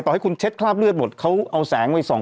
ให้คุณเช็ดคราบเลือดหมดเขาเอาแสงไปส่อง